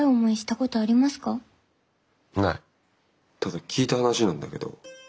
ただ聞いた話なんだけど。